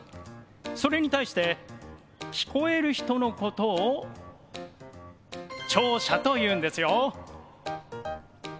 それに対して聞こえる人のことを聴者というんですよ。